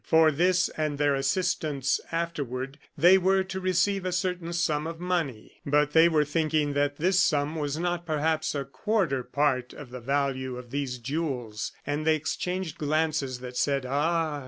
For this, and their assistance afterward, they were to receive a certain sum of money. But they were thinking that this sum was not, perhaps, a quarter part of the value of these jewels, and they exchanged glances that said: "Ah!